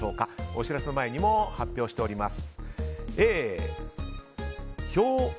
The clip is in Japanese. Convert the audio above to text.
お知らせの前にも発表しております。